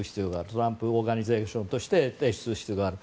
トランプ・オーガニゼーションとして提出する必要がある。